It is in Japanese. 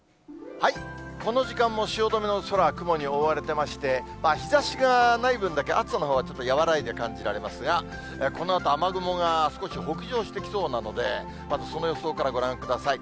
この時間も汐留の空、雲に覆われていまして、日ざしがない分だけ暑さのほうはちょっと和らいで感じられますが、このあと、雨雲が少し北上してきそうなので、まずその予想からご覧ください。